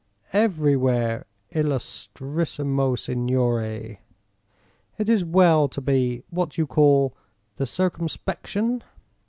"Everywhere, illustrissimo signore, it is well to be what you call the circumspection.